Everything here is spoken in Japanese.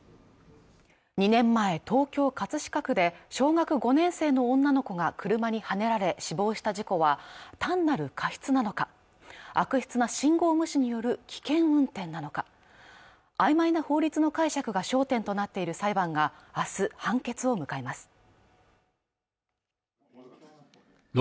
２年前東京葛飾区で小学５年生の女の子が車にはねられ死亡した事故は単なる過失なのか悪質な信号無視による危険運転なのか曖昧な法律の解釈が焦点となっている裁判が明日判決を迎えます